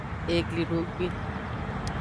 Eglidogbe.